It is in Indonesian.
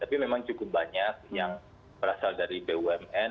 tapi memang cukup banyak yang berasal dari bumn